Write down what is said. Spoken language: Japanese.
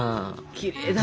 きれいだね。